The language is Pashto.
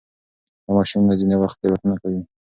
دا ماشینونه ځینې وخت تېروتنه کوي.